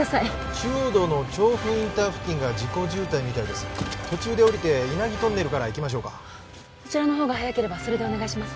中央道の調布インター付近が事故渋滞みたいです途中で降りて稲城トンネルから行きましょうかそちらの方が早ければそれでお願いします